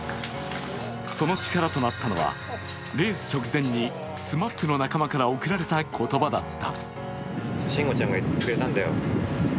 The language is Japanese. その力となったのはレース直前にＳＭＡＰの仲間から贈られた言葉だった。